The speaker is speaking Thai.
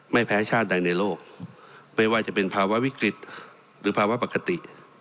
ไม่แพ้ชาติใดในโลกไม่ว่าจะเป็นภาวะวิกฤตหรือภาวะปกติ